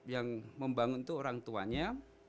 yang membangun itu orang tuanya